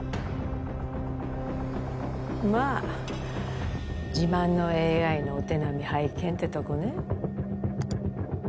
まあ自慢のＡＩのお手並み拝見ってとこね